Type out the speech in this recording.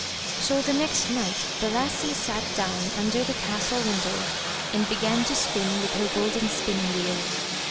So the next night the lassie sat down under the castle window and began to spin with her golden spinning wheel.